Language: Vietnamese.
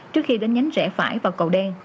trước khi đến nhánh rẽ phải vào cầu đen